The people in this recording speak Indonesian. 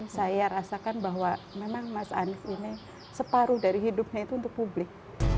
saya rasakan bahwa memang mas anies ini separuh dari hidupnya itu untuk publik